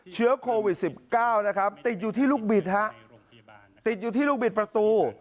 เชื้อโควิด๑๙ติดอยู่ที่ลูกบิดประตู